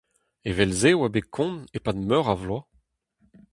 Evel-se e oa bet kont e-pad meur a vloaz.